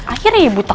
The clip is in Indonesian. akhirnya ya bu tahu